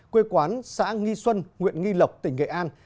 quê quán xã nghi xuân huyện nghi lộc tỉnh nghệ an